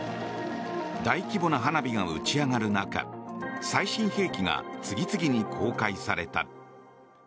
大規模な花火が打ち上がる中最新兵器が次々に公開された。